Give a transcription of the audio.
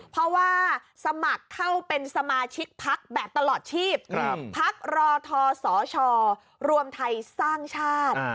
เพราะว่าสมัครเข้าเป็นสมาชิกพักแบบตลอดชีพพักรอทสชรวมไทยสร้างชาติ